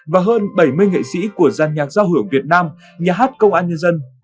và hơn bảy mươi nghệ sĩ của giàn nhạc giao hưởng việt nam nhà hát công an nhân dân